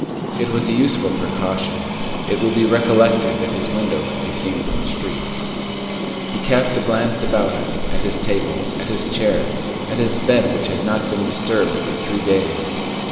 It was a useful precaution; it will be recollected that his window could be seen from the street. He cast a glance about him, at his table, at his chair, at his bed which had not been disturbed for three days.